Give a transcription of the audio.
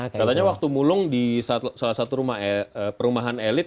katanya waktu mulung di salah satu perumahan elit